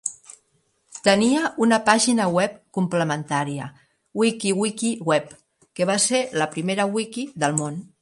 Tenia una pàgina web complementària, WikiWikiWeb, que va ser la primera wiki del món.